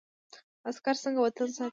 عسکر څنګه وطن ساتي؟